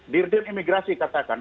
dirjen imigrasi katakan